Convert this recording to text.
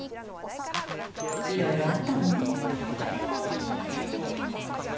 いろいろあったのね。